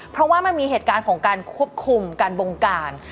เพราะว่ามันมีเหตุการณ์ของการควบคุมการบงการ